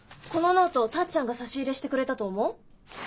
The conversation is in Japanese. このノートタッちゃんが差し入れしてくれたと思う？